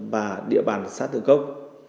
và địa bàn xã thư cốc